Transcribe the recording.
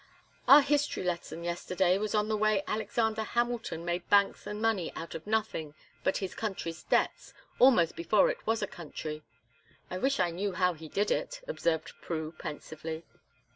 "Our history lesson yesterday was on the way Alexander Hamilton made banks and money out of nothing but his country's debts, almost before it was a country; I wish I knew how he did it," observed Prue, pensively.